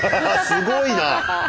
すごいな。